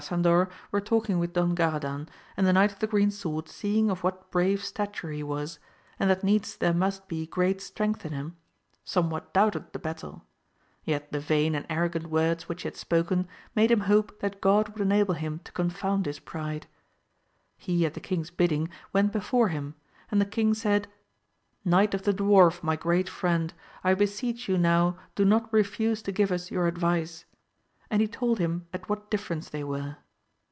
Grasandor were talking with Don Graradan, and the Knight of the Green Sword seeing of what brave 8ta» ture he was, and that needs there must be great strength in him, somewhat doubted the battle, yet the vain and arrogant words which he had spoken made him hope that God would enable him to con found his pride. He at the king's bidding went before him, and the king said, Enight of the Dwarf my great friend, I beseech you now do not refuse to give us your advice, and he told him at what differ ence they were.